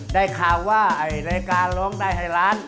ได้ข่าวว่ารายการร้องได้ให้ล้าน